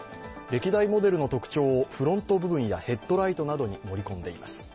歴代モデルの特徴をフロント部分やヘッドライトなどに盛り込んでいます。